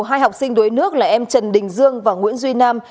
hai học sinh đuối nước là em trần đình dương và nguyễn duy nam